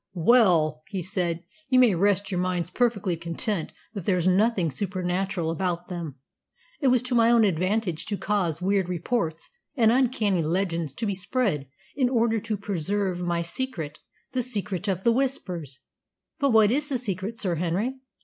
"Well," he said, "you may rest your minds perfectly content that there's nothing supernatural about them. It was to my own advantage to cause weird reports and uncanny legends to be spread in order to preserve my secret, the secret of the Whispers." "But what is the secret, Sir Henry?"